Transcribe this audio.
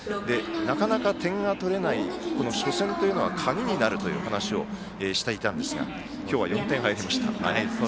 なかなか点が取れない初戦というのは鍵になるという話をしていたんですが今日は４点入りました。